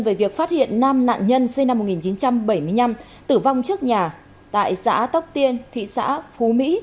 về việc phát hiện nam nạn nhân sinh năm một nghìn chín trăm bảy mươi năm tử vong trước nhà tại xã tóc tiên thị xã phú mỹ